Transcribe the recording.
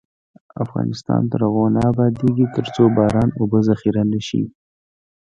افغانستان تر هغو نه ابادیږي، ترڅو باران اوبه ذخیره نشي.